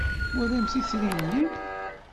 Twalamt itri-nni?